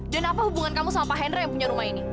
dan apa hubungan kamu sama pak hendra yang punya rumah ini